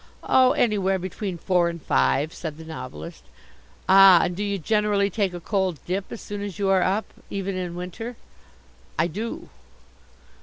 "Oh anywhere between four and five," said the Novelist. "Ah, and do you generally take a cold dip as soon as you are up even in winter?" "I do."